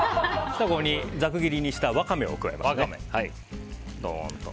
ここにざく切りにしたワカメを加えます。